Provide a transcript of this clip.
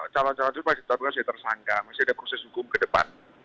calon calon itu masih tetapkan sebagai tersangka masih ada proses hukum ke depan